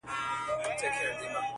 او ستا پر قبر به~